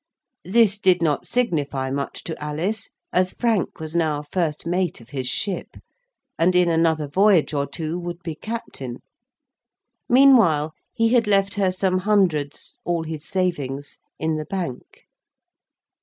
This did not signify much to Alice, as Frank was now first mate of his ship, and, in another voyage or two, would be captain. Meanwhile he had left her some hundreds (all his savings) in the bank.